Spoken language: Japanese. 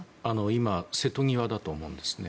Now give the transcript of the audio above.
今瀬戸際だと思うんですね。